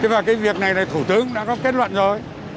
và cái việc này là thủ tướng đã có kết luận rồi